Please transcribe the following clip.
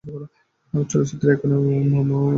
চলচ্চিত্রে একই নামে অর্থাৎ মামা মিয়া শিরোনামে গানও রয়েছে।